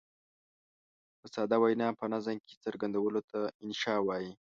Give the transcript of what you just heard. په ساده وینا په نظم کې څرګندولو ته انشأ وايي.